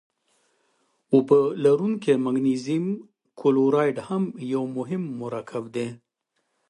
اوبه لرونکی مګنیزیم کلورایډ هم یو مهم مرکب دی.